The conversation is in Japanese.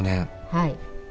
はい。